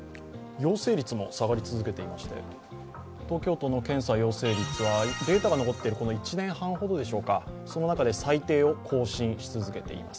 陽性率も下がり続けていまして、東京都の検査陽性率はデータが残っている１年半、その中で最低を更新し続けています。